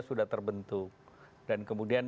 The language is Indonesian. sudah terbentuk dan kemudian